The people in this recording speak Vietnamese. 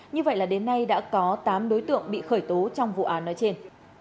như vậy là đến nay đã có tám đối tượng bị khởi tố trong vụ án nói trên